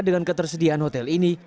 dengan ketersediaan hotel ini